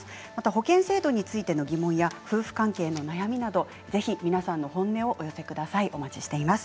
保険制度についての疑問や夫婦関係の悩みなどぜひ皆さんの本音をお寄せください。